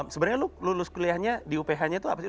sebenarnya lo lulus kuliahnya di uph nya itu apa sih